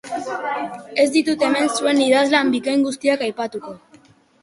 Ez ditut hemen zuen idazlan bikain guztiak aipatuko.